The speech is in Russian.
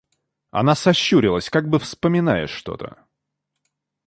Она сощурилась, как бы вспоминая что-то.